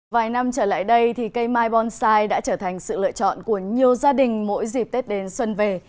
vài năm trở lại đây thì cây mai bonsai đã trở thành sự lựa chọn của nhiều gia đình mỗi dịp tết đến xuân về